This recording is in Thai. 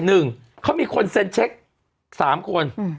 หนึ่งเขามีคนเซ็นเช็คสามคนอืม